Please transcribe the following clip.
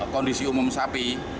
kondisi umum sapi